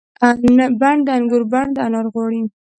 بڼ د انګور بڼ د انار غواړي